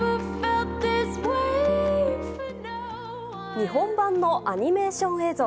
日本版のアニメーション映像。